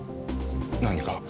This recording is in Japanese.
何か？